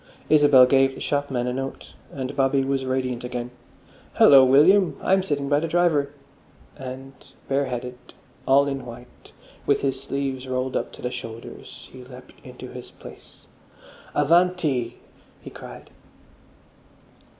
Isabel gave the shopman a note, and Bobby was radiant again. "Hallo, William! I'm sitting by the driver." And bareheaded, all in white, with his sleeves rolled up to the shoulders, he leapt into his place. "Avanti!" he cried....